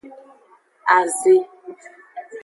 Aze.